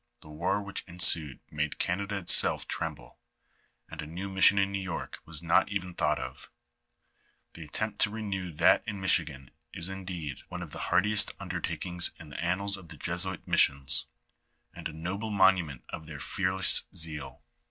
The war which ensued made Canada itself tremble, and a new mission in New York was not even thought of; the attempt to renew that in Michigan is, indeed, one of the hardiest undertakings in the annals of the Jesuit missions, and a noble monument of their fearless zeal.